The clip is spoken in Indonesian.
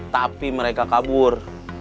tapi mereka kabur